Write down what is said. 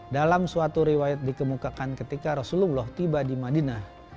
dalam suatu riwayat dikemukakan ketika rasulullah tiba di madinah